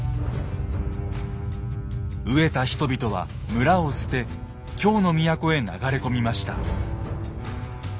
飢えた人々は村を捨て京の都へ流れ込みました。